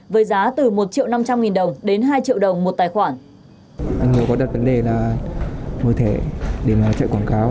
với giá từ một triệu năm trăm linh nghìn đồng đến hai triệu đồng một tài khoản